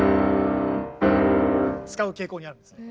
使う傾向にあるんですね。